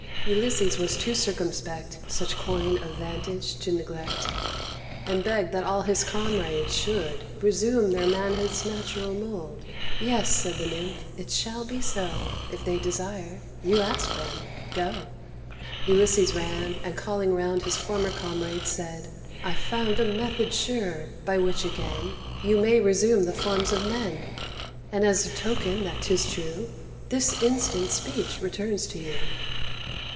Ulysses was too circumspect, Such coign of vantage to neglect, And begged that all his comrades should Resume their manhood's natural mould. "Yes," said the nymph, "it shall be so, If they desire. You ask them, go." Ulysses ran, and, calling round His former comrades, said, "I've found A method sure, by which again You may resume the forms of men; And, as a token that 'tis true, This instant speech returns to you."